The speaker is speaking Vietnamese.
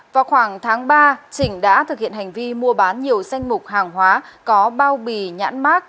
vào khoảng tháng ba chỉnh đã thực hiện hành vi mua bán nhiều danh mục hàng hóa có bao bì nhãn mát